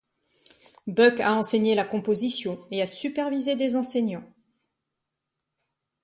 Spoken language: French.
Buck a enseigné la composition et a supervisé des enseignants.